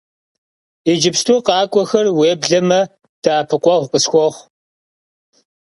Yicıpstui khok'uexer, vuêbleme de'epıkhueğu khısxuoxhu.